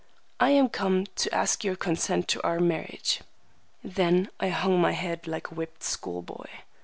I have come to ask your consent to our marriage." Then I hung my head like a whipped school boy. Mrs.